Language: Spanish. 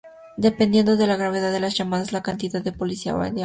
Dependiendo de la gravedad de las llamadas, la cantidad de policía enviada varía.